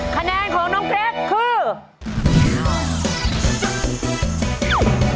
คะแนนของน้องเกรกคือ